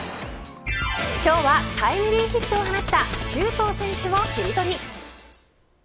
今日はタイムリーヒットを放った周東選手をキリトリ。